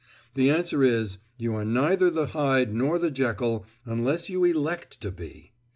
The answer is: You are neither the Hyde nor the Jekyll unless you elect to be.